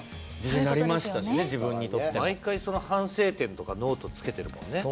毎回、反省点とかノートにつけてるもんね。